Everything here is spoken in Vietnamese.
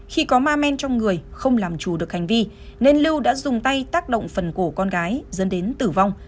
khi có ma men trong người không làm chủ được hành vi nên lưu đã dùng tay tác động phần cổ con gái dẫn đến tử vong